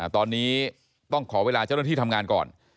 ตอนนี้ต้องขอเวลาเจ้าหน้าที่ทำงานก่อน